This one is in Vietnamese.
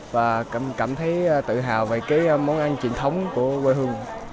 và cảm thấy tự hào về cái món ăn truyền thống của quê hương